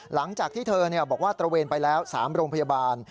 หลังจากที่เธอบอกว่าตระเวนไปแล้ว๓โรงพยาบาล